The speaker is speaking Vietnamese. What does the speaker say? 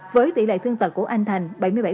với tỷ lệ thương tật của anh thành bảy mươi bảy